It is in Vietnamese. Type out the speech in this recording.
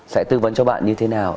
sẽ tư vấn cho bạn như thế nào